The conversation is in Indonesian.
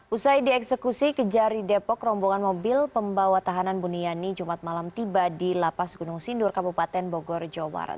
usai dieksekusi kejari depok rombongan mobil pembawa tahanan buniani jumat malam tiba di lapas gunung sindur kabupaten bogor jawa barat